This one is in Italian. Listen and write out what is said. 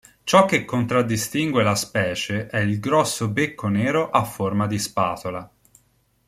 Ciò che contraddistingue la specie è il grosso becco nero a forma di spatola.